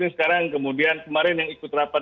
sekarang kemudian kemarin yang ikut rapat